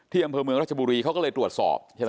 อำเภอเมืองรัชบุรีเขาก็เลยตรวจสอบใช่ไหม